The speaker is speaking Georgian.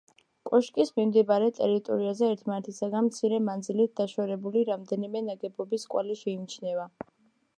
კოშკის მიმდებარე ტერიტორიაზე ერთმანეთისაგან მცირე მანძილით დაშორებული რამდენიმე ნაგებობის კვალი შეიმჩნევა.